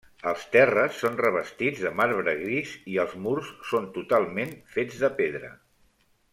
Els terres són revestits de marbre gris i els murs són totalment fets de pedra.